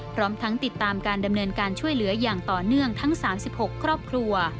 พร้อมทั้งติดตามการดำเนินการช่วยเหลืออย่างต่อเนื่องทั้ง๓๖ครอบครัว